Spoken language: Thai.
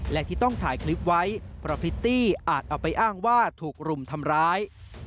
และที่ต้องถ่ายคลิปไว้เพราะพริตตี้อาจเอาไปอ้างว่าถูกรุมทำร้าย